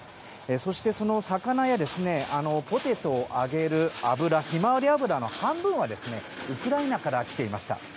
そして、その魚やポテトを揚げるヒマワリ油の半分はウクライナから来ていました。